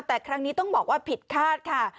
แต่ครั้งนี้ต้องบอกว่าผิดคาดค่ะ